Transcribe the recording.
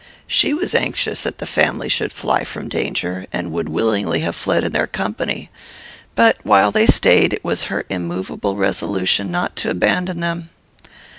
She was anxious that the family should fly from danger, and would willingly have fled in their company; but while they stayed, it was her immovable resolution not to abandon them.